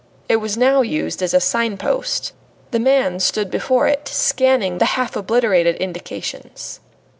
It was now used as a signpost. The man stood before it, scanning the half obliterated indications.